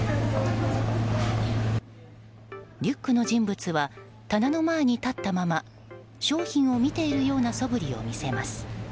リュックの人物は棚の前に立ったまま商品を見ているようなそぶりを見せます。